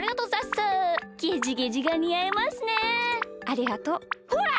ありがとう。ほら！